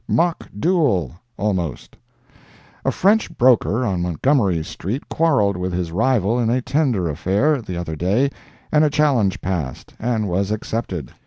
MOCK DUEL—ALMOST. A French broker on Montgomery street quarreled with his rival in a tender affair, the other day, and a challenge passed, and was accepted.